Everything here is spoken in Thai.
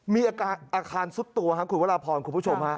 มีอาคารอาคารสุดตัวครับขุดเวลาผ่อนคุณผู้ชมฮะ